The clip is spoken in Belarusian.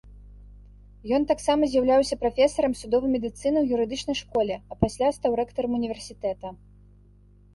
Ён таксама з'яўляўся прафесарам судовай медыцыны ў юрыдычнай школе, а пасля стаў рэктарам універсітэта.